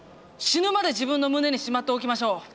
死ぬまで自分の胸にしまっておきましょう。